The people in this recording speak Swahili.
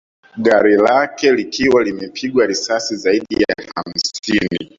Gari lake likiwa limepigwa risasi zaidi ya hamsini